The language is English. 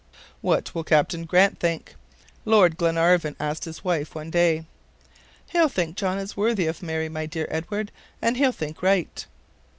"What will Captain Grant think?" Lord Glenarvan asked his wife one day. "He'll think John is worthy of Mary, my dear Edward, and he'll think right."